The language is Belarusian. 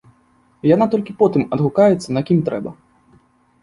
Яна толькі потым адгукаецца на кім трэба.